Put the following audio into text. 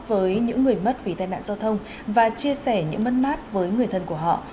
với những người mất vì tai nạn giao thông và chia sẻ những mất mát với người thân của họ